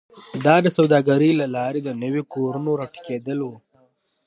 دا د سوداګرۍ له لارې د نویو کورنیو راټوکېدل و